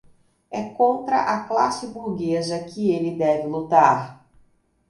é contra a classe burguesa que ele deve lutar